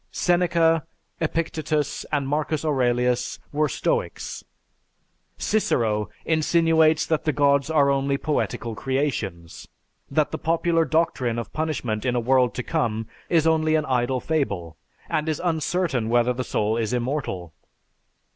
Seneca, Epictetus, and Marcus Aurelius were stoics. Cicero insinuates that the gods are only poetical creations, that the popular doctrine of punishment in a world to come is only an idle fable, and is uncertain whether the soul is immortal.